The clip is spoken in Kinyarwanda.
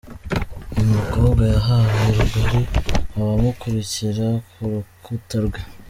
Uyu mukobwa yahaye rugari abamukurikira ku rukuta rwe